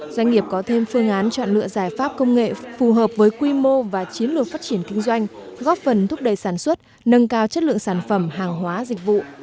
doanh nghiệp có thêm phương án chọn lựa giải pháp công nghệ phù hợp với quy mô và chiến lược phát triển kinh doanh góp phần thúc đẩy sản xuất nâng cao chất lượng sản phẩm hàng hóa dịch vụ